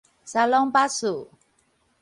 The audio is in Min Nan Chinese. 沙龍巴斯